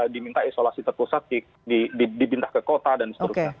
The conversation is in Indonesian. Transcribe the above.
diminta isolasi terpusat dibintah ke kota dan sebagainya